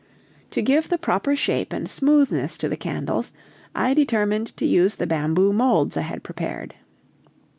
To give the proper shape and smoothness to the candles, I determined to use the bamboo molds I had prepared.